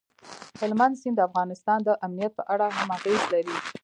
هلمند سیند د افغانستان د امنیت په اړه هم اغېز لري.